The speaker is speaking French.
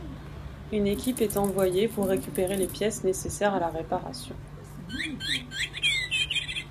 Une équipe est envoyée pour récupérer les pièces nécessaires à la réparation.